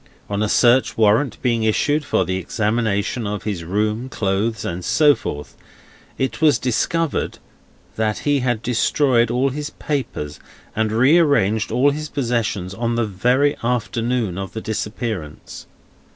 On a search warrant being issued for the examination of his room, clothes, and so forth, it was discovered that he had destroyed all his papers, and rearranged all his possessions, on the very afternoon of the disappearance.